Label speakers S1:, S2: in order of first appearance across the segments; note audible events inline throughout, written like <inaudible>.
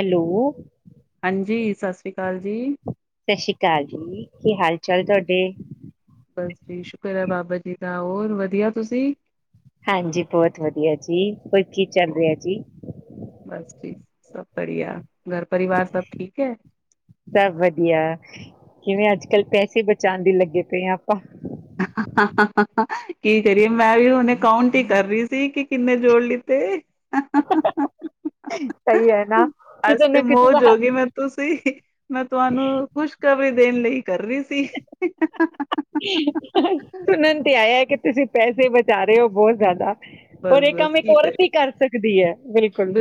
S1: Hello
S2: ਹਾਂਜੀ, ਸਤਿ ਸ੍ਰੀ ਅਕਾਲ ਜੀ।
S1: ਸਸ਼ੀ ਕਾਲ ਜੀ ਕੀ ਹਾਲ ਚੱਲ ਤੁਹਾਡੇ
S2: ਬਸ ਜੀ ਸ਼ੁਕਰ ਐ ਬਾਬਾ ਜੀ ਦਾ, ਓਰ ਵਧੀਆ ਤੁਸੀਂ
S1: ਹਾਂਜੀ, ਬੋਤ ਵਦੀਆ ਜੀ, ਹੋਰ ਕੀ ਚੱਲ ਰੇਆ ਜੀ।
S2: ਬਸ ਜੀ ਸਭ ਬੜੀਆ, ਘਰ ਪਰਿਵਾਰ ਸਭ ਠੀਕ ਹੈ?
S1: ਸਭ ਵਦੀਆ, ਕਿਵੇਂ ਅੱਜ-ਕੱਲ ਪੈਸੇ ਚਾਂਦੀ ਲੱਗੇ ਪਏ ਆ ਆਪਾਂ
S2: ਕੀ ਕਰੀਏ ਮੈਂ ਵੀ ਹੁਨੇ ਕਾਊਂਟ ਈ ਕਰ ਰਹੀ ਸੀ ਕਿ ਕਿੰਨੇ ਜੋੜ ਲਿੱਤੇ
S1: ਸਹੀ ਹੈ ਨਾ,
S2: ਅੱਜ
S1: ਕਿਤੇ
S2: ਤੇ
S1: ਨਾ ਕਿਤੇ ਤਾਂ
S2: ਮੌਜ ਓ ਗਈ ਮੈ ਤੁਸੀਂ ਮੈਂ ਤੁਆਨੂੰ ਖੁਸ਼ਖਬਰੀ ਦੇਣ ਲਈ ਕਰ ਰੀ ਸੀ।
S1: ਸੁਨਨ ਤੇ ਆਯਾ ਕੇ ਤੁਸੀਂ ਪੈਸੇ ਬਚਾ ਰਏ ਓ ਬਹੁਤ ਜਾਦਾ ਓਰ ਏ
S2: ਬਸ-ਬਸ
S1: ਕੰਮ ਇੱਕ
S2: ਕੀ
S1: ਔਰਤ
S2: ਕਰੀਏ
S1: ਈ ਕਰ ਸਕਦੀ ਏ, ਬਿਲਕੁਲ।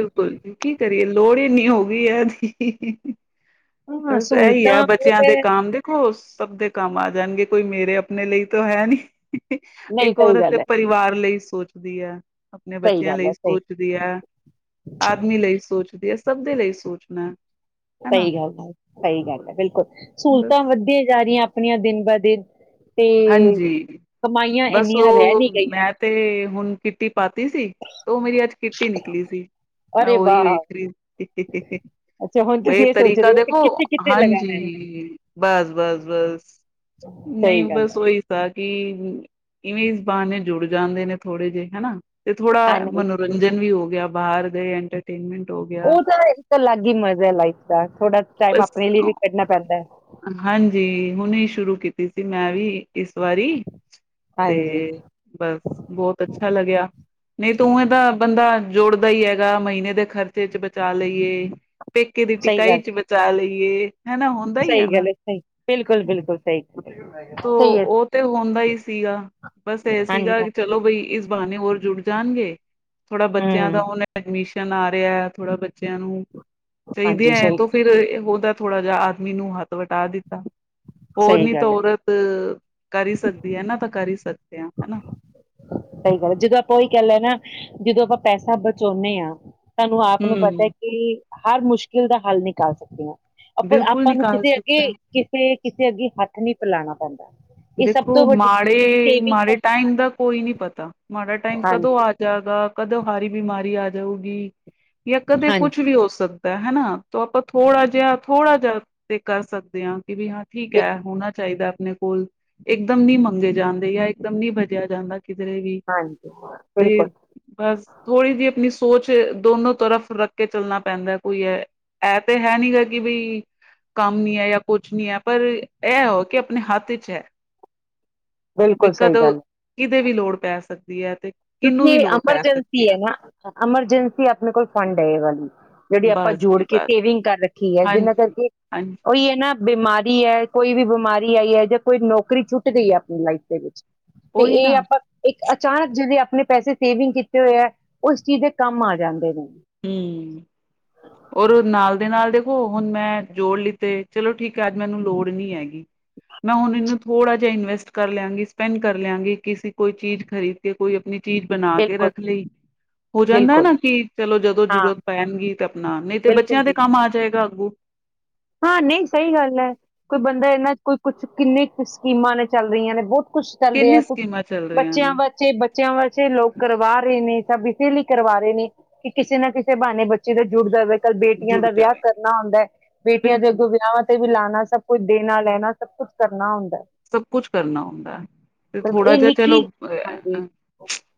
S2: ਕੀ ਕਰੀਏ ਲੋੜ ਈ ਇੰਨੀ ਹੋ ਗਈ ਏ ਏਹਦੀ
S1: ਹਾਂ,
S2: ਬਸ ਏਹੀ
S1: ਸਹੂਲਤਾਂ
S2: ਆ ਬੱਚਿਆਂ
S1: ਬਹੁਤ
S2: ਦੇ
S1: ਹੈ,
S2: ਕੰਮ ਦੇਖੋ, ਸਬ ਦੇ ਕੰਮ ਆ ਜਾਨਗੇ ਕੋਈ ਮੇਰੇ ਅਪਨੇ ਲਈ ਤਾਂ ਹੈ ਨੀ
S1: ਨਹੀਂ
S2: ਇੱਕ
S1: ਸਹੀ
S2: ਔਰਤ ਤੇ
S1: ਗੱਲ ਹੈ,
S2: ਪਰਿਵਾਰ ਲਈ ਸੋਚ ਦੀ ਐ। ਅੱਪਨੇ
S1: ਸਹੀ
S2: ਬੱਚਿਆਂ
S1: ਗੱਲ
S2: ਲਈ
S1: ਹੈ, ਸਹੀ
S2: ਸੋਚਦੀ ਐ, ਆਦਮੀ ਲਈ ਸੋਚਦੀ ਸਭ ਦੇ ਲਈ ਸੋਚਨਾ ਐ।
S1: ਸਹੀ ਗੱਲ ਏ ਸਹੀ ਗੱਲ ਏ, ਬਿਲਕੁਲ
S2: ਬਸ
S1: ਸੂਹਲਤਾਂ ਵੱਧੀਆਂ ਜਾ ਰੀਆਂ ਆਪਣੀਆਂ ਦਿਨ ਬਾ ਦਿਨ ਤੇ
S2: ਹਾਂਜੀ
S1: ਕਮਾਈਆਂ
S2: ਬਸ
S1: ਇੰਨੀਆਂ ਰਹਿ
S2: ਓ
S1: ਨੀ ਗਈਆਂ
S2: ਮੈਂ ਤੇ ਹੁਣ ਕਿੱਟੀ ਪਾਤੀ ਸੀ। ਤੇ ਓਹ ਮੇਰੀ ਅੱਜ ਕਿੱਟੀ ਨਿਕਲੀ ਸੀ। ਮੈਂ
S1: ਅਰੇ
S2: ਓਹੀ
S1: ਵਾਹ
S2: ਵੇਖ ਰਹੀ ਸੀ
S1: ਅੱਛਾ ਹੁਣ
S2: ਇਹ
S1: ਤੁਸੀਂ ਸੋਚ
S2: ਤਰੀਕਾ
S1: ਰਹੇ ਹੋ ਕਿ
S2: ਦੇਖੋ,
S1: ਕਿੱਥੇ ਕਿੱਥੇ
S2: ਹਾਂਜੀ
S1: ਲਗਾਣਾ ਹੈ
S2: ਬਸ ਬਸ ਬਸ ਨਹੀਂ
S1: ਸਹੀ ਗੱਲ
S2: ਬਸ।
S1: ਹੈ
S2: ਕੋਈ ਸਾਖੀ, ਇਵੇਂ ਈਸ ਬਾਹਨੇ ਜੁੜ ਜਾਂਦੇ ਨੇ ਥੋੜੇ ਜੇਹ ਹੇਨਾ। ਤੇ ਥੋੜਾ
S1: ਹਾਂਜੀ
S2: ਮਨੋਰੰਜਨ ਵੀ ਹੋ ਗਿਆ। ਬਾਰ ਦੇ ਐੰਟਰਟੇਨਮੈਂਟ। ਹੋ ਗਿਆ
S1: ਉਹ ਤਾਂ ਇੱਕ ਅਲੱਗ ਹੀ ਮਜ਼ਾ ਹੈ ਲਾਈਫ ਦਾ, ਥੋੜਾ ਟਾਈਮ
S2: ਬਸ
S1: ਆਪਣੇ ਲੀਏ ਵੀ ਕੱਢਣਾ ਪੈਂਦਾ ਏ।
S2: ਹਾਂਜੀ ਹੁਣੇ ਸ਼ੁਰੂ ਕੀਤੀ ਸੀ ਮੈਂ ਵੀ। ਇਸ ਵਾਰੀ,
S1: ਹਾਂਜੀ
S2: ਤੇ ਬਸ ਬਹੁਤ ਅੱਛਾ ਲੱਗਿਆ ਨਹੀਂ ਤੋੰ ਓਵੇਂ ਦਾ ਬੰਦਾ ਜੋੜਦਾ ਹੀ ਹੈਗਾ ਮਹੀਨੇ ਦੇ ਖਰਚੇ ਚ ਬਚਾ ਲਈਏ। ਪੇਕੇ ਦੀ
S1: ਸਹੀ
S2: ਟਿਕਾਈ
S1: ਗੱਲ
S2: ਚ ਬਚਾ ਲਈ। ਯੇ।
S1: ਸਹੀ ਗੱਲ ਹੈ ਸਹੀ, ਬਿਲਕੁਲ ਬਿਲਕੁਲ ਸਹੀ।
S2: ਤੋਂ
S1: ਸਹੀ ਹੈ
S2: ਉਹ ਤੇ ਹੁੰਦਾ ਹੀ ਸੀਗਾ, ਬਸ ਇਹ
S1: ਹਾਂਜੀ
S2: ਸੀਗਾ
S1: ਹਾਂ
S2: ਚਲੋ ਭਈ ਇਸ ਬਾਹਨੇ ਹੋਰ ਜੁੜ ਜਾਣਗੇ। ਥੋੜਾ ਬੱਚਿਆਂ ਦਾ
S1: ਹੂੰ
S2: ਹੁਨ ਐਡਮੀਸ਼ ਚਨ ਆ ਰਿਆ ਥੋੜਾ ਬੱਚੇਆਂ ਨੂੰ ਚਾਹੀਦੇ
S1: ਹਾਂਜੀ
S2: ਐ
S1: ਸਹੀ
S2: ਤੋਂ ਫਿਰ ਓਦਾ ਥੋੜਾ ਜਾਂ ਆਦਮੀ ਨੂੰ ਹੱਥ ਵਟਾ ਦਿ ਓਰ
S1: ਸਹੀ
S2: ਨੀ
S1: ਗੱਲ ਹੈ
S2: ਤੋ ਔਰਤ ਕਰ ਈ ਸਕਦੀ ਏ ਨਾ ਤਾਂ ਕਰ ਹੀ ਸਕਦੇ ਆ ਹਨਾ।
S1: ਸਹੀ ਗੱਲ, ਜਦੋਂ ਆਪਾਂ ਓਹੀ ਕੈਲੇ ਨਾ ਜਦੋਂ ਆਪਾਂ ਪੈਸਾ ਬਚਾਓਨੇ ਆ। ਸਾਨੂੰ ਆਪ ਨੂੰ ਪਤਾ
S2: ਹਮ
S1: ਕਿ ਹਰ ਮੁਸ਼ਕਿਲ ਦਾ ਹੱਲ ਨਿਕਾਲ ਸਕਦੇ ਆ। ਅ ਪਰ
S2: ਬਿਲਕੁਲ
S1: ਆਪਾਂ ਨੂੰ
S2: ਨਿਕਾਲ
S1: ਕਿਸੇ ਅੱਗੇ
S2: ਸਕਦਾ
S1: ਕਿਸੇ ਕਿਸੇ ਅੱਗੇ ਹੱਥ ਨਈ ਫੈਲਾਨਾ ਪੈਂਦਾ। ਇਹ ਸਭ ਤੋਂ
S2: ਦੇਖੋ
S1: ਵੱਡੀ
S2: ਮਾੜੇ,
S1: ਸੇਵਿੰਗ
S2: ਮਾੜੇ ਟਾਈਮ ਦਾ ਕੋਈ ਨਈ ਪਤਾ। ਮਾੜਾ ਟਾਈਮ ਕਦੋਂ
S1: ਹਾਂਜੀ
S2: ਆ ਜਾਗਾ। ਕਦੋਂ ਹਾਰੀ ਬਿਮਾਰੀ ਆ ਜਾਉਗੀ। ਯਾ ਕਦੇ
S1: ਹਾਂਜੀ
S2: ਕੁਛ ਵੀ ਹੋ ਸਕ ਦਾ, ਹਨਾ ਤ ਆਪਾਂ ਥੋੜਾ ਜਿਹਾ ਥੋੜਾ ਜਿਹਾ ਤੇ ਕਰ ਸਕਦੇ ਆ। ਭੀ ਵੀ ਹਾਂ, ਠੀਕ
S1: ਬਿਲ
S2: ਐ ਹੋਨਾ ਚਾਹੀਦਾ ਆਪਨੇ ਕੋਲ। ਇਕਦਮ ਨੀ ਮੰਗੇ ਜਾਂਦੇ, ਯਾ ਇਕਦਮ ਨੀ ਭਜੇਆ ਜਾਂਦਾ ਕਿਧਰੇ ਵੀ।
S1: ਹਾਂਜੀ
S2: ਤੇ
S1: ਬਿਲਕੁਲ
S2: ਬਸ ਥੋੜੀ ਜਈ ਅਪਨੀ ਸ ਸੋਚ ਦੋਨੋ ਤਰਫ਼ ਰੱਖ ਕੇ ਚੱਲਨਾ ਪੈਂਦੈ ਕੋਈ ਐ, ਐ ਤੇ ਹੈ ਨਈ ਗਾ ਕਿ ਵੀ, ਕੰਮ ਨੀ ਐ ਯਾ ਕੁਛ ਨੀ ਐ ਪਰ ਐ ਓ ਕੇ ਆਪਨੇ ਹੱਥ ਚ ਐ।
S1: ਬਿਲਕੁਲ
S2: ਦਿਕਤ
S1: ਸਹੀ ਗੱਲ ਹੈ,
S2: ਕਿਤਦੇ ਵੀ ਲੋੜ ਪੈ ਸਕਦੀ ਦੀ ਐ।
S1: ਕਿਉਂਕਿ ਏ ਅਮਰਜੰਸੀ ਐ ਨਾ, ਅਮਰਜੰਸੀ ਆਪਨੇ ਕੋਲ ਫੰਡ ਏ ਵਾਲੀ। ਜੇੜੀ ਆਪਾਂ
S2: ਬਸ
S1: ਜੋੜ
S2: ਜੀ
S1: ਕੇ
S2: ਬਸ
S1: ਸੇਵਿੰਗ ਕਰ ਰੱਖੀ ਏ ਜਿਨਾਂ
S2: ਹਾਂਜੀ
S1: ਕਰਕੇ,
S2: ਹਾਂਜੀ
S1: ਓਈ ਏ ਨਾ ਬਿਮਾਰੀ ਐ, ਕੋਈ ਵੀ ਬਮਾਰੀ ਆਈ ਐ ਜਾਂ ਕੋਈ ਨੋਕਰੀ ਛੁੱਟ ਗਈ ਏ ਆਪਨੀ ਲਾਈਫ ਦੇ ਵਿੱਚ ਤੇ
S2: ਉਹੀ
S1: ਏ
S2: ਨਾ
S1: ਆਪਾਂ ਇੱਕ ਅਚਾਨਕ ਜਿਵੇਂ ਆਪ ਆਪਨੇ ਪੈਸੇ ਸੇਵਿੰਗ ਕੀਤੇ ਹੋਏ ਐ ਉਸ ਚੀਜ ਦੇ ਕੰਮ ਆ ਜਾਂਦੇ ਨੇ।
S2: ਹੂੰ, ਓਰ ਓ ਨਾਲ ਦੇ ਨਾਲ ਦੇਖੋ ਹਨ ਮੈਂ,, ਜੋੜ ਲਿੱਤੇ ਚਲੋ ਠੀਕ ਐ ਅੱਜ ਮੈਨੂੰ ਲੋੜ ਨਈ ਹੈਗੀ। ਮੈਂ ਹੂਨ <unintelligible> ਥੋੜਾ ਜੇਆ ਇਨਵੈਸਟ ਕਰ ਲੇਆਂਗੀ ਸਪੈਂਡ ਕਰ ਲੇਆਂਗੀ, ਕਿਸੇ ਕੋਈ ਚੀਜ ਖ਼ਰੀਦ ਕੇ ਕੋਈ ਅਪਨੀ ਚੀਜ ਬਨਾ ਕੇ
S1: ਬਿਲਕੁਲ,
S2: ਰੱਖ ਲਈ। ਹੋ ਜਾਂਦੈ
S1: ਬਿਲਕੁਲ
S2: ਨਾ ਕਿ ਚਲੋ ਜਦੋ
S1: ਹਾਂ,
S2: ਜੂਰਤ ਪੈਨਗੀ ਤੇ ਅਪਨਾ, ਨਈ ਤੇ
S1: ਬਿਲਕੁਲ,
S2: ਬੱਚੇਆਂ ਦੇ
S1: ਬਿਲਕੁਲ।
S2: ਕੰਮ ਆ ਜਾਏ ਜਾਗੂ
S1: ਹਾਂ ਨਹੀਂ ਸਹੀ ਗੱਲ ਏ ਕੋਈ ਬੰਦਾ ਇਹਨਾਂ ਕੋਈ ਕੁਛ ਕਿੰਨੇ ਕੁ ਸਕੀਮਾਂ ਨੇ ਚੱਲ ਰੀਆਂ ਨੇ ਬਹੁਤ ਕੁਛ
S2: ਕਿੰਨੀ
S1: ਕਰਦਿਆ ਕੁਛ,
S2: ਸਕੀਮਾਂ ਚੱਲ ਰਹੀਆਂ
S1: ਬੱਚਿਆਂ
S2: ਨੇ
S1: ਬਚੇ ਬੱਚਿਆਂ ਵਸਤੇ ਲੋਕ ਕਰਵਾ ਰੇ ਨੇ ਸਬ ਇਸੇ ਲਈ ਕਰਵਾ ਰੇ ਨੇ ਕਿ ਕਿਸੇ ਨਾ ਕਿਸੇ ਬਹਾਨੇ ਬੱਚੇ ਦਾ ਜੁੜਦਾ ਵੇ ਕਲ ਬੇਟੀਆਂ
S2: ਜੁੜ
S1: ਦਾ ਵਿਆਹ
S2: ਜਾਵੇ
S1: ਕਰਨਾ ਹੌੰਦਾ ਏ ਬੇਟੀਆਂ ਦੇ
S2: ਬਿਲਕੁਲ
S1: ਅੱਗੋਂ ਵਿਆਵਹਾਂ ਤੇ ਵੀ ਲਾਣਾ ਸਭ ਕੁੱਛ ਦੇਣਾ ਲੈਣਾ ਸਭ ਕੁੱਛ ਕਰਨਾ ਹੁੰਦ
S2: ਸਭ ਕੁਛ ਕਰਨਾ ਹੁੰਦਾ ਹੈ, ਤੇ ਥੋੜਾ
S1: ਇਹ
S2: ਜਿਹਾ
S1: ਨਿੱਕੀ
S2: ਚਲੋ,
S1: ਹਾਂਜੀ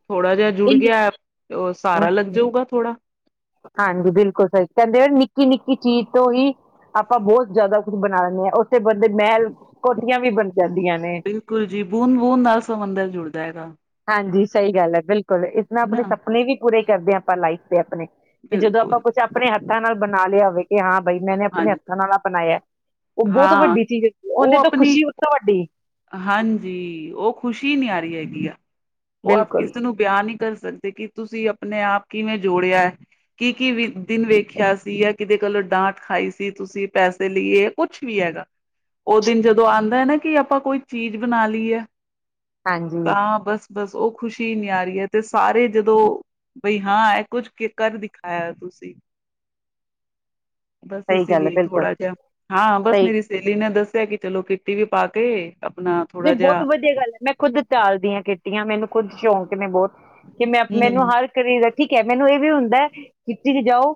S2: ਥੋੜਾ ਜਿਹਾ ਜੁੜ
S1: ਇਹ
S2: ਗਿਆ ਓਹ ਸਾਹਰਾ
S1: ਨਿ
S2: ਲੱਗ ਜਊਗਾ ਥੋੜਾ
S1: ਹਾਂਜੀ ਬਿਲਕੁਲ ਸਹੀ, ਕਹਿੰਦੇ ਆ ਨਿੱਕੀ ਨਿੱਕੀ ਚੀਜ ਤੋਂ ਹੀ ਆਪਾਂ ਬਹੋਤ ਜਿਆਦਾ ਕੁੱਛ ਬਣਾ ਲੈਣੇ ਆ ਤੇ ਬੰਦੇ ਮਹਿਲ ਕੋ ਯਾਵੀ ਬਣ ਜਾਂਦੀਆਂ ਨੇ
S2: ਬਿਲਕੁਲ ਜੀ ਬੂੰਦ ਬੂੰਦ ਨਾਲ ਸਮੁੰਦਰ ਜੁੜ ਜਾਏਗਾ
S1: ਹਾਂਜੀ ਸਹੀ ਗੱਲ ਏ ਬਿਲਕੁਲ ਇਸ ਨਾਲ
S2: ਹੈ
S1: ਆਪਣੇ
S2: ਨਾ
S1: ਸਪਨੇ ਵੀ ਪੂਰੇ ਕਰਦੇਆ ਆਪਾਂ ਲਾਈਫਤੇ ਅਪਨੇ ਕਿ ਜਦੋਂ ਆਪਾਂ
S2: ਬਿਲਕੁਲ
S1: ਕੁਛ ਆਪਣੇ ਹੱਥਾਂ ਨਾਲ ਬਣਾ ਲਿਆ ਹੋਵੇ ਕਿ ਹਾਂ ਭਈ ਮੇਨੇ ਆਪਣੇ
S2: ਹਾਂਜੀ
S1: ਹੱਥਾਂ ਨਾਲ ਆ ਬਨਾਯਾ ਓਹ ਬਹੁਤ
S2: ਹਾਂ
S1: ਵੱਡੀ ਚੀਜ਼ ਹੈ
S2: ਉਹ
S1: ਓੰਦੇ ਤੋ
S2: ਆਪਣੀ
S1: ਖੁਸ਼ੀ ਉਸ ਤੋਂ ਵੱਡੀ
S2: ਹਾਂਜੀ ਓ ਖ਼ੁਸ਼ੀ ਨੀ ਆ ਰੀ ਹੈਗੀ ਆ ਔ ਆਪ
S1: ਬਿਲਕੁਲ
S2: ਕਿਸੇ ਨੂੰ ਬਿਆਨ ਨੀ ਕਰ ਸਕ ਸਕਦੇ ਕਿ ਤੁਸੀਂ ਆਪਨੇ ਆਪ ਕਿਵੇਂ ਜੋੜਿਐ ਕੀ-ਕੀ ਵੀ ਦਿਨ ਵੇਖਿਆ ਸੀ ਜਾਂ ਕਿਦੇ ਕੋਲੋਂ ਡਾਂਟ ਖਾਈ ਸੀ ਤੁਸੀਂ ਪੈਸੇ ਲਈ ਏ ਯਾ ਕੁਛ ਵੀ ਹੈਗਾ। ਔ ਦਿਨ ਜਦੋਂ ਆਂਦਾ ਐ ਨਾ ਕੀ ਆਪ ਆਪਾਂ ਕੋਈ ਚੀਜ ਬਨਾ ਲਈ ਐ
S1: ਹਾਂਜੀ
S2: ਤਾਂ ਬਸ ਬਸ ਔ ਖੁਸ਼ੀ ਨੀ ਆ ਰੀ ਐ ਤੇ ਸਾਰੇ ਜਦੋਂ ਬਈ ਹਾਂ ਐ ਕੁੱਛ ਕੀ ਕਰ ਦਿਖਾਆ ਤੁਸੀ ਬਸ
S1: ਸਹੀ
S2: ਇਸੀ
S1: ਗੱਲ ਹੈ
S2: ਲੀ
S1: ਬਿਲਕੁਲ
S2: ਥੋੜਾ ਜਿਹਾ ਹਾਂ ਬਸ
S1: ਸਹੀ
S2: ਮੇਰੀ ਸਹੇਲੀ ਨੇ ਦੱਸ ਕਿ ਚਲੋ ਕੀਤੀ ਵੀ ਪਾ ਅਤੇ
S1: ਨਈੲ ਬੌਤ ਵਧੀਆ ਗੱਲ ਐ ਮੈਂ ਖ਼ੁਦ ਚਾਲਦੀ ਹਾਂ ਕੇ ਮੈਨੂੰ ਖੁੱਦ ਛੌਂਕ ਨੇ ਬੌਤ ਕਿ ਮੈਂ ਅ
S2: ਹੂੰ,
S1: ਮੈਨੂੰ
S2: ਹੂੰ,
S1: ਹਰ <unintelligible> ਠੀਕ ਐ ਮੈਨੂੰ ਏ ਵੀ ਹੁੰਦੈ ਕਿੱਟੀ ਚ ਜਾਓ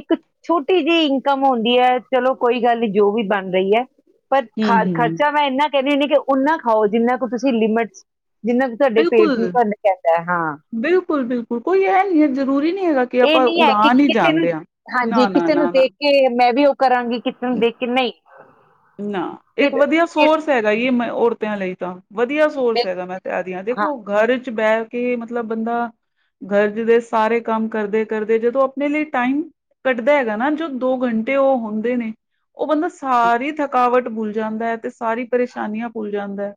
S1: ਇੱਕ ਛੋਟੀ ਜੀ ਇਨਕਮ ਹੁੰਦੀ ਐ ਚਲੋ ਕੋਈ ਗੱਲ ਨੀ ਜੋ ਵੀ ਬਨ ਰਹੀ ਐ ਪਰ ਖ
S2: ਹੂੰ
S1: ਖਰਚਾ ਮੈਂ ਇੰਨਾ ਕ ਨ <unintelligible> ਓਨਾ ਖਾਓ ਜਿੰਨਾ ਕੁ ਤੁਸੀ ਲਿਮਟ ਚ ਹਾਂ
S2: ਬਿਲਕੁਲ-ਬਿਲਕੁਲ, ਬਿਲਕੁਲ ਕੋਈ ਐ ਨਈ ਐ ਜਰੂਰੀ ਨਈ ਹੈਗਾ ਕਿ
S1: ਏ
S2: ਆਪਾਂ
S1: ਨੀ ਹੈ ਕਿ
S2: ਉਡਾਨ ਹੀ
S1: ਕਿਸੇ, ਕਿਸੇ ਨੂੰ
S2: ਜਾਂਦੇ ਆ।
S1: ਹਾਂਜੀ
S2: ਨਾ, ਨਾ,
S1: ਕਿਸੇ ਨੂੰ
S2: ਨਾ, ਨਾ।
S1: ਦੇਖ ਕੇ ਮੈਂ ਵੀ ਕਰਾਂਗੀ ਕਿਸੇ ਨੂੰ ਦੇਖ ਕੇ ਨਈ
S2: ਨਾ, ਇੱਕ ਵਦੀਆ
S1: ਫਿਰ
S2: ਸੋਰਸ ਹੈਗਾ ਈ ਔਰਤੇ ਯਾ ਲਈ ਤਾਂ ਵਦੀਆ ਸੋਰਸ
S1: ਬਿਲ-
S2: ਹੈਗੈ ਮੈਂ ਕੈ ਰੀ ਆਂ,
S1: ਹਾਂ
S2: ਦੇਖੋ ਘਰ ਚ ਬੈਹ ਕੇ ਮਤਲ ਮਤਲਬ ਬੰਦਾ ਘਰ ਦੇ ਸਾਰੇ ਕੰਮ ਕਰਦੇ, ਕਰਦੇ ਜਦੋਂ ਅਪਨੇ ਲਈ ਟਾਈਮ ਕੱਡਦੈ ਹੈਗਾ ਨਾ, ਜੋ ਦੋ ਘੰਟੇ ਓ ਹੋਂਦੇ ਨੇ ਓ ਬੰਦਾ ਸਾਰੀ ਥੱਕ ਥਕਾਵਟ ਭੁੱਲ ਜਾਂਦੈ ਐ ਤੇ ਸਾਰੀ ਪਰੇਸ਼ਾਨੀਆਂ ਭੁੱਲ ਜਾਂਦਾ ਐ।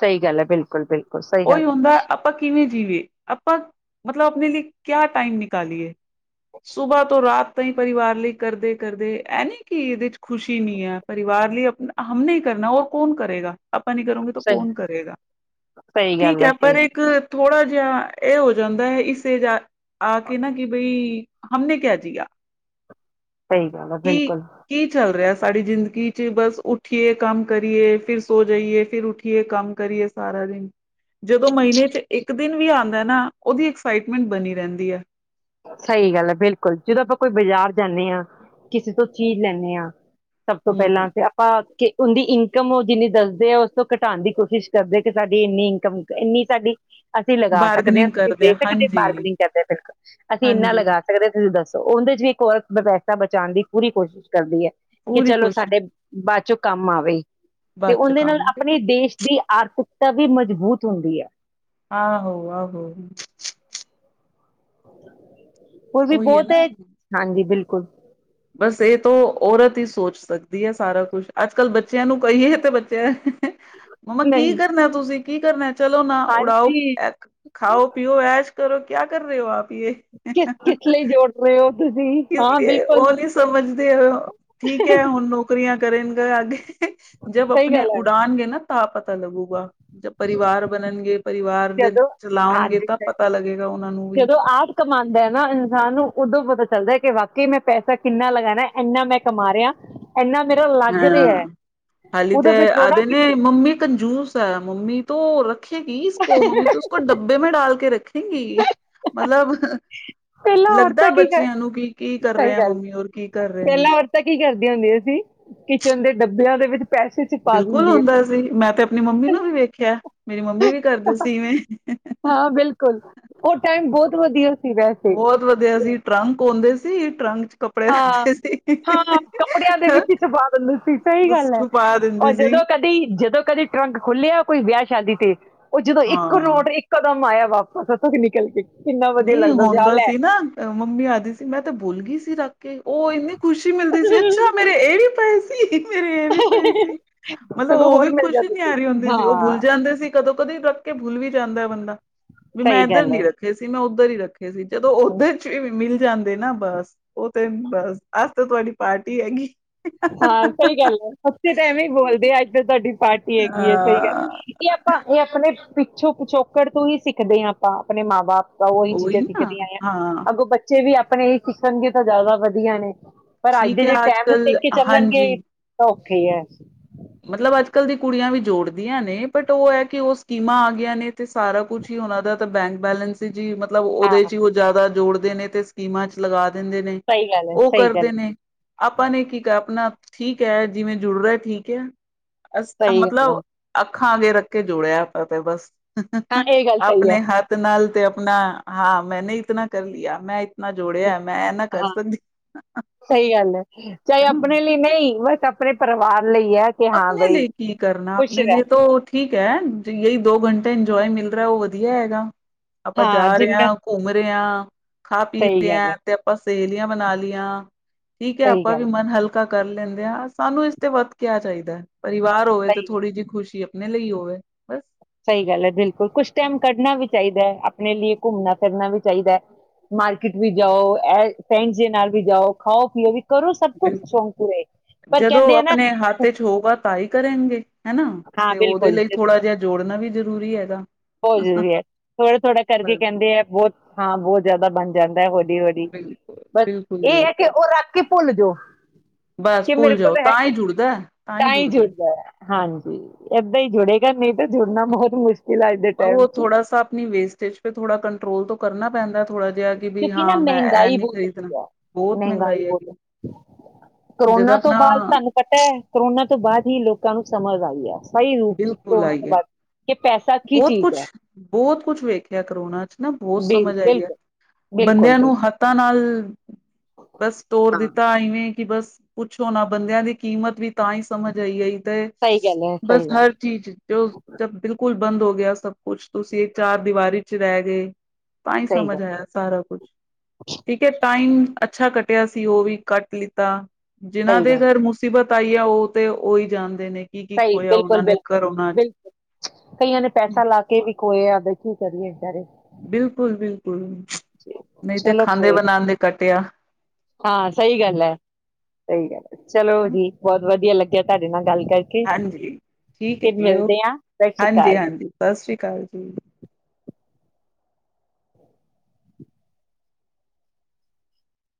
S1: ਸਈ ਗੱਲ ਆ। ਬਿਲਕੁਲ, ਬਿਲਕੁਲ ਸੲਈ
S2: ਉਹੀ
S1: ਗੱਲ ਆ।
S2: ਹੁੰਦਾ ਆਪਾਂ ਕਿਵੇਂ ਜੀਵੇ ਆਪਾਂ ਮਤਲਬ ਅਪਨੇ ਲਈ ਕੇਯਾ ਟਾਈਮ ਨਿਕਾਲੀਏ? ਸੁਬਾ ਤੋਂ ਰਾਤ ਤਈ ਪਰਿਵਾਰ ਲਈ ਕਰਦੇ, ਕਰਦੇ ਐ ਨੀ ਕਿ ਐਦੇ ਚ ਖੁਸ਼ੀ ਨੀ ਐ ਪਰਿਵਾਰ ਲਈ ਅ <unintelligible> ਆਪਾਂ ਨਈ ਕਰੋਗੇ ਤੋ
S1: ਸਹੀ
S2: ਕੋਨ ਕਰੇਗਾ?
S1: ਸਹੀ
S2: ਠੀਕ
S1: ਗੱਲ ਹੈ
S2: ਐ ਪਰ
S1: ਸਹੀ
S2: ਇੱਕ ਥੋੜਾ ਜੇਯਾ ਏ ਹੋ ਜਾਂਦੈ ਇਸ ਏਜ ਆ ਕੇ ਨਾ ਕਿ ਬਈ ਹਮ ਨੇ ਕਿਹ ਦਿਆ
S1: ਸਹੀ ਗੱਲ ਹੈ
S2: ਕੀ
S1: ਬਿਲਕੁਲ
S2: ਕੀ ਚੱਲ ਰਿਹਾ ਸਾਡੀ ਜ਼ਿੰਦ ਚ ਬਸ ਉੱਠੀਏ ਕੰਮ ਕਰੀਏ ਫਿਰ ਸੋ ਜਾਈਏ ਫਿਰ ਉੱਠੀਏ ਕੰਮ ਕਰੀਏ ਸਾਰਾ ਦਿਨ, ਜਦੋਂ ਮਹੀਨੇ ਚ ਇੱਕ ਦਿਨ ਵੀ ਆਂਦਾ ਐ ਨਾ ਓਹਦੀ ਐਕਸਾਈਟਮੈਂਟ ਬਣੀ ਰਹਿੰਦੀ ਹੈ
S1: ਸਹੀ ਗੱਲ ਐ, ਬਿਲਕੁੱਲ, ਜਦੋਂ ਆਪਾਂ ਕੋਈ ਬਾਜਾਰ ਜਾਂਨੇ ਆ ਕਿਸੇ ਤੋਂ ਚੀਜ ਲੈਂਨੇ ਆਂ ਸਭ ਤੋਂ
S2: ਹਮ
S1: ਪੈਲਾਂ ਤੇ ਅਪਾ ਕਿ ਉਂਦੀ ਇਨਕਮ ਓਹ ਜਿੰਨੀ ਦੱਸਦੇ ਆ ਓਸ ਤੋਂ ਘਟਾਣ ਦੀ ਕੋਸ਼ਿਸ਼ ਕਰਦੇ ਕਿ ਸਾਡੀ ਇੰਨੀ ਇਨਕਮ ਇੰਨੀ ਸਾਡੀ ਅਸੀਂ ਲਗਾ ਸਕਦੇ ਆ
S2: ਬਾਰਗਨਿੰਗ
S1: ਤੁਸੀਂ
S2: ਕਰਦੇ
S1: ਦੇ ਸਕਦੇ ਬਾਰਗਨਿੰਗ
S2: ਹਾਂਜੀ-ਹਾਂਜੀ
S1: ਕਰਦੇ ਫੀਰਤੋ ਅਸੀਂ ਏੱਨਾ ਲਗਾ ਸਕਦੇ ਤੁਸੀਂ ਦੱਸੋ ਓੰਹਦੇ ਚ ਵੀ ਇਕ ਓਰਤ ਪੈਸਾ ਬਚਾਉਣ ਦੀ ਪੂਰੀ ਕੋਸ਼ਿਸ਼ ਕਰਦੀ ਐ ਕਿ
S2: ਪੂਰੀ
S1: ਚਲੋ
S2: ਕੋਸ਼ਿਸ਼
S1: ਸਾਡੇ ਬਾਚੋ <unintelligible> ਕੰਮ ਆਵੇ ਤੇ
S2: ਬਾਅਦ ਚ
S1: ਓੰਦੇ ਨਾਲ
S2: ਕੰਮ ਆ ਜਾਏਗਾ।
S1: ਆਪਣੇ ਦੇਸ਼ ਦੀ ਆਰਕੁੱਟਾ ਭੀ ਮਜਬੂਤ ਹੁੰਦੀ ਆ
S2: ਆਹੋ-ਆਹੋ।
S1: ਹੋਰ ਵੀ
S2: ਉਹੀ ਹੈ
S1: ਬਹੋਤ
S2: ਨਾ।
S1: ਏ ਹਾਂਜੀ ਬਿਲ <unintelligible>
S2: ਪੁੱਛ ਸਕਦੀ ਏ ਸਾਰਾ, ਕੁੱਛ ਅੱਜ ਕੱਲ੍ਹ ਬੱਚਿਆਂ ਨੂੰ ਕਹੀਏ ਤੇ ਬੱਚੈ ਮੰਮਾ ਕੀ
S1: ਨਹੀਂ
S2: ਕਰਨੈ ਤੁਸੀਂ ਕੀ ਕਰਨੈ ਚਲੋ ਨਾ ਉੜਾਓ
S1: ਹਾਂਜੀ
S2: ਖਾਓ ਪੀਓ ਐਸ਼ ਕਰੋ ਕਿਆ ਕਰ ਰੇ ਓ ਆਪ ਯੇ
S1: ਕਿਸ-ਕਿਸ ਲਈ ਜੋੜ ਰਏ ਔ ਤੁਸੀਂ ਹਾਂ ਬਿਲ
S2: ਔ ਨੀ ਸਮਝਦੇ ਹ ਠੀਕ ਐ
S1: ਸਹੀ
S2: ਹੁਣ ਨੌਕਰੀਆਂ ਕਰਨ ਗ ਆਗੇ ਜਬ ਅਪਨੇ
S1: ਗੱਲ ਹੈ
S2: ਉਡਾਨ ਗੇ ਨਾ ਤਾਂ ਪ ਤਾ ਲੱਗੂਗਾ। ਜਬ ਪਰਿਵਾਰ ਬਨਨਗੇ
S1: ਜਦੋਂ ਹਾਂਜੀ
S2: ਲੱਗੇਗਾ ਉਹਨਾਂ ਨੂੰ ਵੀ
S1: ਜਦੋਂ ਆਪ ਕਮਾਂਦਾ ਐ ਨਾ ਇਨਸਾਨ ਨੂੰ ਉਦੋਂ ਪਤਾ ਚਲਦੈ ਕਿ ਵਾਕੇਈ ਮੈਂ ਪੈਸਾ ਕਿੰਨਾ ਲਗਾਨੈ ਐਨਾ ਮੈਂ ਕਮਾ ਰਿਆ
S2: ਹਾਂ ਹਾਲੀ ਤੇ
S1: ਉਦੋਂ ਮੈਂ ਜੋੜਾਂ
S2: ਆਦੇ
S1: ਕਿੱਥੇ
S2: ਨੇ ਮੰਮੀ ਕੰਜੂਸ ਐ ਮੰਮੀ ਤੋ ਰੱਖੇਗੀ ਇਸ ਕੋ ਮੰਮੀ ਤੋ ਉਸਕੋ ਡੱਬੇ ਡਾਲ ਕੇ ਰੱਖੇ ਗੀ ਮਤਲਬ
S1: ਪਹਿਲਾਂ
S2: ਲੱਗਦਾ
S1: ਔਰਤਾਂ ਕੀ ਕਰ
S2: ਬੱਚਿਆਂ ਨੂੰ ਕੀ ਕੀ ਕਰ ਰਏ
S1: ਸਹੀ
S2: ਐਂ
S1: ਗੱਲ ਹੈ।
S2: ਮੰਮੀ ਔਰ ਕੀ ਕਰ ਰਏ ਨੇ
S1: ਪਹਿਲਾਂ ਔਰਤਾਂ ਕੀ ਕਰਦੀਆਂ ਹੁੰਦੀਆਂ ਸੀ ਕਿਚਨ ਦੇ ਡੱਬਿਆਂ ਦੇ ਵਿੱਚ ਪੈਸੇ ਚ ਪਾ
S2: ਬਿਲਕੁੱਲ
S1: ਦਿੰਦੀਆਂ
S2: ਹੋੰਦਾ ਸੀ ਮੈਂ ਤੇ ਅਪਨੀ ਮੰਮੀ ਨੂੰ ਵੀ ਵੇਖਿਆ। ਮੇਰੀ ਮੰਮੀ ਵੀ ਕਰਦੇ ਸੀ ਇਵੇਂ
S1: ਹਾਂ ਬਿਲਕੁੱਲ ਓ ਟਾਈਮ ਬਹੌਤ ਵਧੀਆ ਸੀ ਵੈ <unintelligible>
S2: ਬਹੋਤ ਵਧੀਆ ਸੀ ਟਰੰਕ ਪਾਉਂਦੇ ਸੀ ਟਰੰਕ ਚ ਕੱਪੜੇ
S1: ਹਾਂ
S2: ਰੱਖਦੇ ਸੀ
S1: ਹਾਂ ਕੱਪੜਿਆਂ ਦੇ ਵਿੱਚ ਹੀ ਛੁਪਾ ਦਿੰਦੇ ਸੀ ਸਹੀ
S2: ਬਸ
S1: ਗੱਲ ਐ,
S2: ਛੁਪਾ
S1: ਔਰ
S2: ਦਿੰਦੀ ਸੀ
S1: ਜਦੋਂ ਕਡੀ ਜਦੋਂ ਕਦੇ ਟਰੰਕ ਖੋੱਲਿਆ ਕੋਈ ਵਿਆਹ ਸ਼ਾਦੀ ੀਕ <unintelligible> ਓਹ ਜਦੋਂ ਇੱਕ
S2: ਹਾਂ
S1: ਰੋਟ ਇੱਕ ਕਦਮ ਆਇਆ ਵਾਪਸ ਓਥੋਂ ਦਿ ਨਿਕਲ ਕੇ ਕਿੰਨਾ ਵਧੀਆ
S2: ਨਹੀਂ
S1: ਲੱਗਦਾ ਹਾਂ
S2: ਹੋੰਦਾ
S1: ਲੈ
S2: ਸੀ ਨਾ ਮੰਮੀ ਆਦੀ ਸੀ ਮੈਂ ਤੇ ਭੁਲ ਗੀ ਸੀ ਰ ਕਿ ਓਹ ਇੰਨੀ ਖੁਸ਼ੀ ਮਿਲਦੀ ਸੀ ਅੱਛਾ ਮੇਰੇ ਇਹ ਵੀ ਪਏ ਸ <unintelligible> ਮੇਰੀ ਇਹ ਵੀ ਪਏ ਸੀ, ਮਤਲਬ
S1: ਸਗੋਂ
S2: ਓਹ
S1: ਹੋਰ
S2: ਵੀ
S1: ਮਿਲ
S2: ਖੁਸ਼
S1: ਜਾਂਦੇ ਸੀ
S2: ਨਿਆਰੇ ਹੁੰਦੇ ਸੀ ਉਹ ਭੁੱਲ
S1: ਹਾਂ
S2: ਜਾਂਦੇ ਸੀ ਕਦੋਂ ਕਦੇ ਤਕ ਕਿ ਭੁੱਲ ਵੀ ਜਾਂਦੈ ਬੰਦਾ, ਵੀ ਮੈਂ
S1: ਸਹੀ
S2: ਇੱਧਰ
S1: ਗੱਲ ਹੈ
S2: ਨੀ ਰੱਖੇ ਸੀ ਮੈਂ ਓਧੱਰ ਈ ਰੱਖੇ ਸੀ, ਜਦੋਂ ਓਧੇੱਚੋ ਵੀ ਮਿਲ ਜਾਂਦੇ ਨਾ ਬਸ ਓਹ ਤੇ ਬਸ, ਅਜ ਤਾਂ ਤੁਹਾਡੀ ਪਾਰਟੀ ਹੈਗੀ
S1: ਹਾਂ ਸਈ ਗੱਲ ਐ ਓਥੇਤਾਂ ਐਵੇਂ ਈ ਬੋਲਦੇ ਅੱਜ ਤਾਂ ਤੁਹਾਡੀ ਪਾਰਟੀ ਹੈਗੀ ਐ ਸਈ ਗੱਲ,
S2: ਹਾਂ
S1: ਏਂ ਆਪਾਂ ਏ ਆਪਣੇ ਪਿੱਛੋਂ ਪਿਛੋਕੜ ਤੋਂ ਈਂ ਸਿੱਖਦੇ ਆਂ ਆਪਾਂ ਆਪਣੇ ਮਾਂ ਬਾਪ ਓਈ
S2: ਉਹੀ
S1: ਚੀਜਾਂ
S2: ਨਾ
S1: ਸਿਖਦੇਂ ਆਏਂਆਂ,
S2: ਹਾਂ
S1: ਅੱਗੋਂ ਬੱਚੇ ਵੀ ਆਪ ਆਪਣੇ ਕਿਸਣਗੇ ਤਾਂ ਜਾਦਾ ਵਧੀਆ ਨੇ ਪਰ ਅੱਜ
S2: ਠੀਕ
S1: ਦੇ
S2: ਹੈ
S1: ਜੇ
S2: ਆਜ
S1: ਟੈਮ ਟੇ
S2: ਕੱਲ
S1: ਕੇ
S2: ਹਾਂਜੀ
S1: ਚੱਲਣਗੇ ਖੀ ਆ
S2: ਮਤਲਬ ਅੱਜ ਕੱਲ ਦੀ ਕੁੜੀਆਂ ਵੀ ਜੋੜਦੀਆਂ ਨੇ ਬਟ ਓ ਐ ਕਿ ਓ ਸਕੀਮਾਂ ਆ ਗਈਆਂ ਨੇ ਤੇ ਸਾਰਾ ਕੁਛ ਈ ਓਨਾਂ ਦਾ ਤਾਂ ਬੈਂਕ ਬੈਲੈਂਸ ਹੀ ਜੀ ਮਤਲਬ ਓਦੇ
S1: ਹਾਂ
S2: ਚ ਈ ਓ ਜਿਆਦਾ ਜੋੜ ਨੇ ਤੇ ਸਕੀਮਾਂ ਚ ਲਗਾ ਦਿੰਦੇ ਨੇ
S1: ਸਹੀ ਗੱਲ ਹੈ
S2: ਓ
S1: ਸਹੀ ਗੱਲ
S2: ਕਰਦੇ
S1: ਹੈ
S2: ਨੇ, ਆਪਾਂ ਨੇ ਕੀ ਆਪਣਾ ਠੀਕ ਐ ਜਿਵੇਂ ਜਰੂਰਤ ਹੀ ਕੇਆ। ਅ
S1: ਸਹੀ ਗੱਲ
S2: ਮਤਲਬ,
S1: ਹੈ
S2: ਅੱਖਾਂ ਅੱਗੇ ਰੱਖ ਕੇ ਜੋੜਿਆ। ਅ ਤੇ ਬਸ
S1: ਹਾਂ ਇਹ ਗੱਲ ਸਹੀ ਹੈ
S2: ਆਪਣੇ ਹੱਤ ਨਾਲ ਤੇ ਨਾ ਹਾਂ ਮੈਂਨੇ ਇਤਨਾ ਕਰ ਲਿਆ ਮੈਂ ਇਤਨਾ ਜੋੜਿਆ ਮੈਂ ਇਹ ਨਾ ਕਰ
S1: ਹਾਂ
S2: ਸਕਦੀ
S1: ਸਹੀ ਗੱਲ ਏ, ਚਾਹੇ ਆਪਣੇ ਲਈ ਨਹੀਂ ਬਸ ਪੂਰੇ ਪਰਿਵਾਰ ਲਈ ਹੈ ਕਿ ਹਾਂ
S2: ਅਪਨੇ
S1: ਬਈ
S2: ਲਿਏ ਕੀ ਕਰਨਾ
S1: ਖੁਸ਼
S2: ਅਪਨੇ ਲਿਏ
S1: ਰਹਿ
S2: ਤੋੰ ਠੀਕ <inaudible> ਯੇਈ ਦੋ ਘੰਟੇ ਇੰਜੋਏ ਮਿਲ ਰਿਹਾ ਉਹ ਵਧੀਆ ਹੈਗਾ। ਆਪਾਂ
S1: ਹਾਂ
S2: ਜਾ ਰੇ
S1: ਜਿੰਨਾ
S2: ਆ, ਘੁੰਮ ਰੇ ਆ, ਖਾ-ਪੀ
S1: ਸਹੀ
S2: ਰੇ ਆ
S1: ਗੱਲ ਹੈ
S2: ਤੇ ਆਪਾਂ ਸਹੇਲੀਆਂ ਬਨਾ ਲੀਆਂ ਠੀਕ ਏ
S1: ਸਹੀ
S2: ਅਪਾਂ ਵੀ
S1: ਗੱਲ
S2: ਮਨ ਹਲਕ-' ਕ ਕਰ ਲੈਂਦੇ ਆ ਸਾਨੂੰ ਇਸ ਤੇ ਵੱਤ ਕਿਆ ਚਾਹੀਦਾ ਏ। ਪਰਿਵਾਰ ਹੋਵੇ
S1: ਸਹੀ
S2: ਤੇ
S1: ਗੱਲ
S2: ਥੋੜ੍ਹੀ ਜਿ ਖੁਸ਼ੀ ਮੇ ਲਈ ਹੋਵੇ, ਬਸ
S1: ਸਹੀ ਗੱਲ ਏ ਬਿਲਕੁਲ ਕੁਛ ਟੈਮ ਕੱਢਣਾ ਵੀ ਚਾਹੀਦਾ ਹੈ, ਅਪਣੇ ਲੀਏ ਘੁੰਮਣਾ ਫਿਰਨਾ ਵੀ ਚਾਹੀਦਾ। ਮਾਰਕੀਟ ਵੀ ਜਾਓ ਫਰੈਂਡਸ ਦੇ ਨਾਲ ਵੀ ਜਾਓ ਖਾਓ -ਪੀਓ ਵੀ। ਕਰੋ ਸਭ ਕੁਛ
S2: ਬਿਲਕੁਲ,
S1: ਸ਼ੌਂਕ ਪੂਰੇ ਪਰ
S2: ਜਦੋਂ
S1: ਕਹਿੰਦੇ ਆ ਨਾ
S2: ਅਪਨੇ ਹੱਥ ਚ ਹੋਗਾ ਤਾਂ ਹੀ ਕਰੇੰਗੇ ਹੇਨਾ,
S1: ਹਾਂ
S2: ਤੇ ਓਹਦੇ
S1: ਬਿਲਕੁਲ
S2: ਲਈ ਥੋੜਾ ਜਾ ਜੋੜਨਾ ਵੀ ਜਰ ਰੂਰੀ ਹੈਗਾ
S1: ਬਹੋ ਜਰੂਰੀ ਏ, ਥੋੜ੍ਹਾ ਥੋੜ੍ਹਾ ਕਰਕੇ
S2: ਬਿਲਕੁਲ,
S1: ਕੈੰਦੇ ਐ ਬਹੋਤ ਹਾਂ ਬਹੋਤ ਜਿਆਦਾ ਬਣ ਜਾਂਦਾ ਏ
S2: ਬਿਲਕੁਲ,
S1: ਬਸ'
S2: ਬਿਲਕੁਲ।
S1: ਇ ਹੈ ਕਿ
S2: ਬਿਲਕੁਲ।
S1: ਓਹ ਰੱਖ ਕੇ ਭੁੱਲ ਜੋ,
S2: ਬਸ
S1: ਕੇ
S2: ਭੁੱਲ
S1: ਮੇਰੇ ਕੋਲ
S2: ਜਾਓ
S1: ਹੈ
S2: ਤਾਂ ਹੀ
S1: ਕੇ।,
S2: ਜੁੜਦਾ ਹੈ,
S1: ਤਾਂ ਹੀ
S2: ਹੈ।
S1: ਜੁੜਦਾ ‌ਏ। ਹਾਂਜੀ ਏਦਾ ਈ ਜੁੜੇਗਾ ਨੀ ਤੇ ਜੁੜਨਾ ਬਹੁਤ ਮੁਸ਼ਕਿਲ ਏ।
S2: ਬਹੂ ਓਹਥੋੜਾ ਸਾ ਅਪਨੀ ਵੇਸਟੇਜ ਪੇ ਥੋੜਾ ਕੰਟਰੋਲ ਤੋ ਕਰਨਾ ਪੈਂਦਾ ਥੋੜਾ ਜਿਹਾ ਕਿ ਵੀ
S1: ਕਿਓੰਕਿ ਨਾ
S2: ਹਾਂ ਮੈਂ ਇਹ
S1: ਮਹਿੰਗਾਈ
S2: ਨੀ
S1: ਬਹੋਤ
S2: ਖਰੀਦਣਾ
S1: ਹੈਤੀ ਹੈ,
S2: ਬਹੁਤ
S1: ਮਹਿੰਗਾਈ ਬਹੋਤ
S2: ਹੈਗੀ
S1: ਹੋਤੀ ਏ,
S2: ਜਦੋਂ
S1: ਕਰੋਨਾ ਤੋਂ
S2: ਆਪਣਾ
S1: ਬਾਦ ਧੋਨੂੰ ਪੱਤਾ ਏ ਕਰੋਨਾ ਤੋਂ ਬਾਦ ਹੀ ਲੋਕਾਂ ਨੂੰ ਸਮਝ ਆਈ ਏ। ਸਹੀ ਰੂਪ ਚ ਕਰੋਨਾ ਤੋ ਲਗ
S2: ਬਹੋਤ ਕੁਛ, ਬਹੋਤ ਕੁਛ ਵੇਖਿਆ ਕਰੋਨਾ ਚ ਨਾ ਬਹੋਤ
S1: ਬਿਲ-
S2: ਸਮਝ ਆਈ ਏ।
S1: ਬਿਲਕੁਲ ਬਿਲਕੁਲ
S2: ਬੰਦਿਆਂ
S1: ਬਿਲਕੁਲ
S2: ਨੂੰ ਹੱਥਾਂ ਨਾਲ, ਬਸ ਤੋਰ
S1: ਹਾਂ
S2: ਦਿੱਤਾ ਇਵੇਂ ਕਿ ਬਸ ਪੁੱਛੋ ਨਾ, ਬੰਦਿਆਂ ਦੀ ਕੀਮਤ ਵੀ ਤਾਂ ਹੀ ਸਮਝ ਆਈ। ਤੇ
S1: ਸਹੀ ਗੱਲ ਹੈ
S2: ਬਸ
S1: ਸਹੀ ਗੱਲ
S2: ਹਰ ਚੀਜ ਤਿਓ ਜਬ ਬੀਲ ਬੰਦ ਹੋ ਗਿਆ ਸਭ ਕੁਛ ਤੁਸੀਂ ਚਾਰ ਦੀਵਾਰੀ ਚ ਰੈਹ ਤੇ ਤਾਂ ਹੀ
S1: ਸਹੀ ਗੱਲ
S2: ਸਮਝ ਆਇਆ ਸਾਰਾ ਕੁਛ, ਠੀਕ ਹੈ ਟਾਈਮ ਅੱਛਾ ਕੱਟਿਆ ਸੀ ਓਹ ਵੀ ਕੱਟ ਲਿੱਤਾ ਜਿਨਾਂ
S1: ਸਹੀ
S2: ਦੇ
S1: ਗੱਲ
S2: ਘਰ ਮੁਸੀਬਤ ਪਇਆ ਉਹ ਤੇ ਉਹੀ ਜਾਂਦੇ ਨੇ ਕੀ ਕੀ
S1: ਸਹੀ
S2: ਖੋਇਆ ਉਹਨਾਂ
S1: ਬਿਲਕੁਲ,
S2: ਨੇ
S1: ਬਿਲਕੁਲ,
S2: ਕਰੋਨਾ ਚ
S1: ਬਿਲਕੁਲ ਕਈਆਂ ਨੇ ਪੈਸਾ ਲਾ ਕੇ ਕੋਈ ਆ ਕਿ ਕਰੀਏਾਰੇ
S2: ਬਿਲਕੁਲ ਬਿਲਕੁਲ ਨਹੀਂ ਤੇ
S1: ਚਲੋ
S2: ਖਾਂਦੇ
S1: ਕੋਈ
S2: ਬਣਾਉਦੇ ਕੱਟ ਪਿਆ
S1: ਹਾਂ ਸਹੀ ਗੱਲ ਹੈ ਸਹੀ ਗੱਲ ਚਲੋ ਜੀ ਬਹੁਤ ਵਧੀਆ ਲੱਗੇ ਤੁਹਾਡੇ ਨਾਲ ਗੱਲ ਕਰਕੇ
S2: ਹਾਂਜੀ ਠੀਕ ਹੈ
S1: ਫਿਰ
S2: ਜੀ ਓ
S1: ਮਿਲਦੇ ਹਾਂ ਸਤਿ ਸ਼੍ਰੀ
S2: ਹਾਂਜੀ
S1: ਅਕਾਲ
S2: ਹਾਂਜੀ ਸਤਿ ਸ੍ਰੀ ਅਕਾਲ ਜੀ